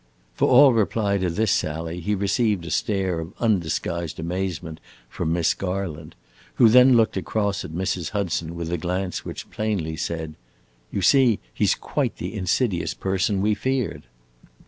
For all reply to this sally he received a stare of undisguised amazement from Miss Garland, who then looked across at Mrs. Hudson with a glance which plainly said: "You see he 's quite the insidious personage we feared."